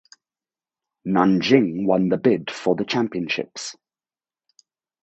Nanjing won the bid for the Championships.